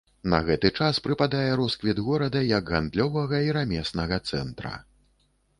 На гэты час прыпадае росквіт горада як гандлёвага і рамеснага цэнтра.